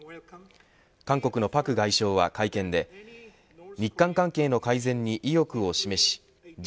韓国の朴外相は会見で日韓関係の改善に意欲を示しＧＳＯＭＩＡ